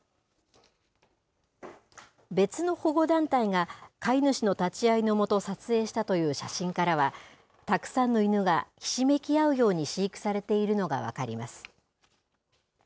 別の保護団体が、飼い主の立ち会いの下、撮影したという写真からは、たくさんの犬がひしめき合うように飼育されているのが分かります。